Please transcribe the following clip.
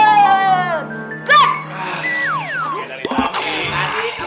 astaga dia dari tampil tadi